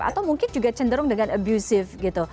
atau mungkin juga cenderung dengan abusif